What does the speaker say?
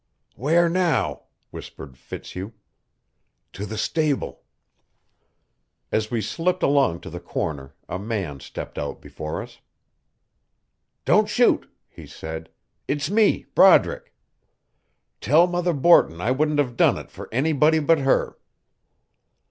"Where now?" whispered Fitzhugh. "To the stable." As we slipped along to the corner a man stepped out before us. "Don't shoot," he said; "it's me, Broderick. Tell Mother Borton I wouldn't have done it for anybody but her."